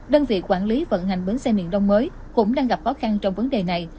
đơn vị quản lý vận hành bến xe miền đông mới cũng đang gặp khó khăn trong vấn đề này